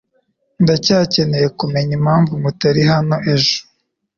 Ndacyakeneye kumenya impamvu mutari hano ejo.